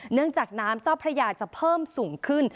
เนื่องจากน้ำเจ้าพระยาจะเพิ่มสูงขึ้น